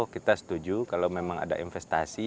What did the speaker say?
kita setuju kalau memang ada investasi